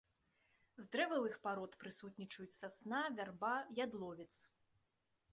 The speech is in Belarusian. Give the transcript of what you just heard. З дрэвавых парод прысутнічаюць сасна, вярба, ядловец.